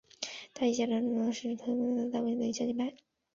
她以一套流畅的动作获得了平衡木的单项金牌。